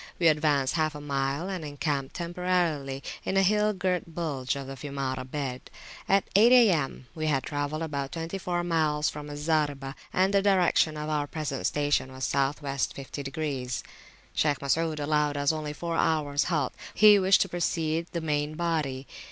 We advanced half a mile, and encamped temporarily in a hill girt bulge of the Fiumara bed. At eight A.M. we had travelled about twenty four miles from Al Zaribah, and the direction of our present station was South west 50°. Shaykh Masud allowed us only four hours halt; he wished to precede the main body.